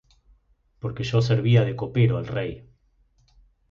Porque yo servía de copero al rey.